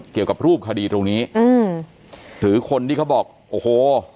เกี่ยวกับรูปคดีตรงนี้อืมหรือคนที่เขาบอกโอ้โห